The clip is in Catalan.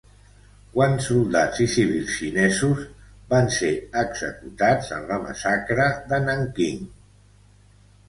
Quants soldats i civils xinesos van ser executats en la Massacre de Nanquín?